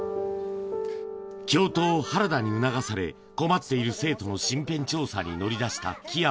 教頭、原田に促され、困っている生徒の身辺調査に乗り出した樹山。